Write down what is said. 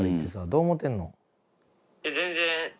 どう思ってるの？